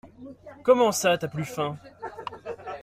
Comment ça t'as plus faim?